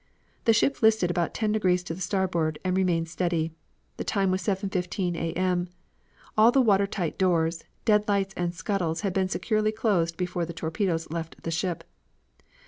The ship listed about ten degrees to the starboard and remained steady. The time was 7.15 A. M. All the water tight doors, dead lights and scuttles had been securely closed before the torpedoes left the ship.